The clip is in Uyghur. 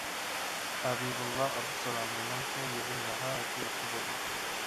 ھەبىبۇللا ئابدۇسالام: مېنىڭچە يىغىن ناھايىتى ياخشى بولدى.